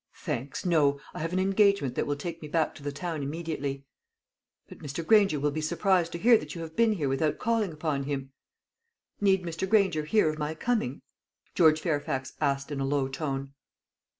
"Thanks no. I have an engagement that will take me back to the town immediately." "But Mr. Granger will be surprised to hear that you have been here without calling upon him." "Need Mr. Granger hear of my coming?" George Fairfax asked in a low tone.